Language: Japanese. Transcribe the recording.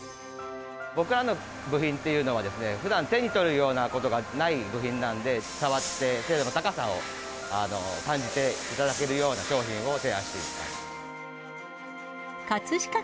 僕らの部品っていうのは、ふだん手に取るようなことがない部品なんで、触って、精度の高さを感じていただけるような商品を提案しました。